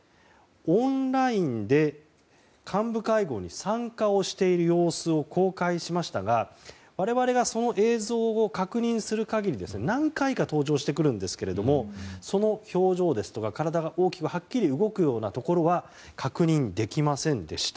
オンラインで幹部会合に参加している様子を公開しましたが我々が、その映像を確認する限り何回か登場してきますがその表情ですとか体が大きくはっきり動くところは確認できませんでした。